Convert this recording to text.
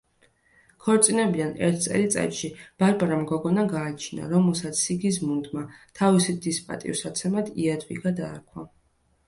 ქორწინებიდან ერთ წელიწადში ბარბარამ გოგონა გააჩინა, რომელსაც სიგიზმუნდმა თავისი დის პატივსაცემად იადვიგა დაარქვა.